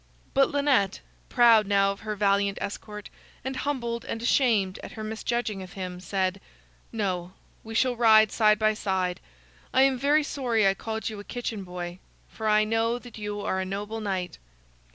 But Lynette, proud now of her valiant escort, and humbled and ashamed at her misjudging of him, said: "No, we shall ride side by side. I am very sorry I called you a kitchen boy, for I know that you are a noble knight."